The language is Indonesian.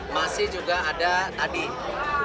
masih juga ada adik